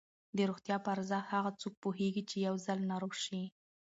د روغتیا په ارزښت هغه څوک پوهېږي چې یو ځل ناروغ شي.